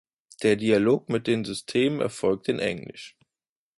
Der Dialog mit den Systemen erfolgte in Englisch.